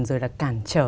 rồi là cản trở